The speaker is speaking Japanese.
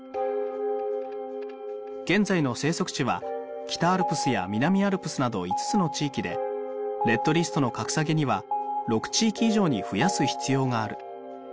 現在の生息地は北アルプスや南アルプスなど５つの地域でレッドリストの格下げには６地域以上に増やす必要がある。